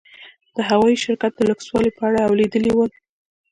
د هوايي شرکت د لوکسوالي په اړه اورېدلي ول.